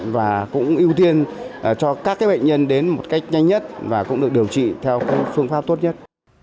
và cũng ưu tiên cho các bệnh nhân đến một cách nhanh nhất và cũng được điều trị theo phương pháp tốt nhất